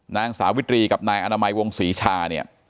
นางสาวิตรีกับนายอนามัยวงศรีชาเนี่ย